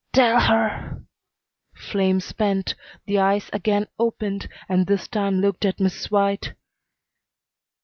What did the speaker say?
"Tell her " Flame spent, the eyes again opened and this time looked at Miss White.